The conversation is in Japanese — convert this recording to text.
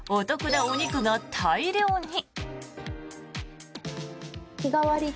なお肉が大量に。